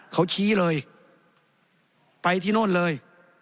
เขาชี้เลยไปที่โน่นเลย